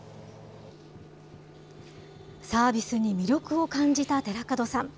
サービスに魅力を感じた寺門さん。